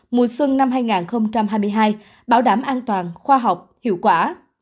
mùa xuân năm hai nghìn hai mươi hai bảo đảm an toàn khoa học hiệu quả